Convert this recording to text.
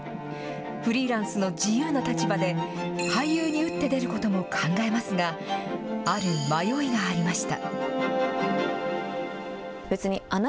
フリーランスの自由な立場で、俳優に打って出ることも考えますが、ある迷いがありました。